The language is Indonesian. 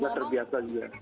sudah terbiasa juga